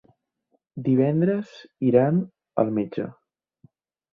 Divendres iran al metge.